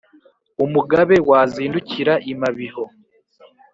umugabe wazindukira i mabiho